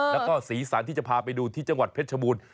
แล้วก็สีสันที่จะพาไปดูที่จังหวัดเพชรชบูรณ์